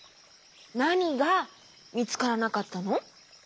なにがみつからなかったの？